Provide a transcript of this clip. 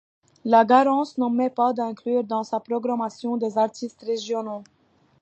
La Garance n'omet pas d'inclure dans sa programmation des artistes régionaux.